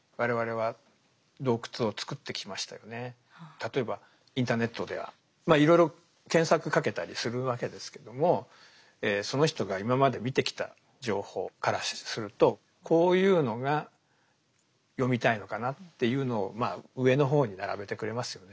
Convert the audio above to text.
例えばインターネットではいろいろ検索かけたりするわけですけどもその人が今まで見てきた情報からするとこういうのが読みたいのかなっていうのをまあ上の方に並べてくれますよね。